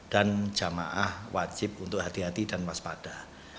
dan jemaah wajib untuk hati hati dan waspada